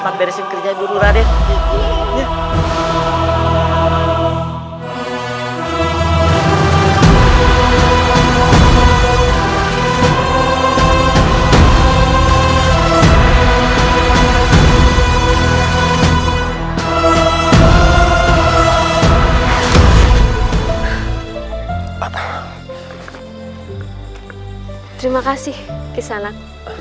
terima kasih kisanak